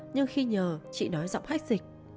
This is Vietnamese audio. nhưng khi nhờ chị nói giọng hách dịch